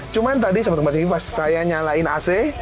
cuma tadi sobatkomunikasi tv pas saya nyalain ac